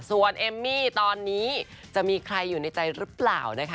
ส่วนเอมมี่ตอนนี้จะมีใครอยู่ในใจหรือเปล่านะคะ